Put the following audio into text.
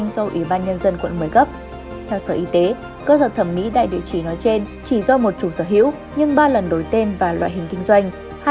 chỉ nói trên chỉ do một chủ sở hữu nhưng ba lần đổi tên và loại hình kinh doanh